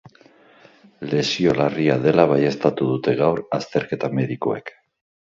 Lesio larria dela baieztatu dute gaur azterketa medikoek.